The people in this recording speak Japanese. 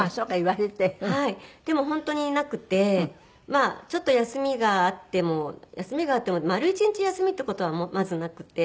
まあちょっと休みがあっても休みがあっても丸一日休みっていう事はまずなくて。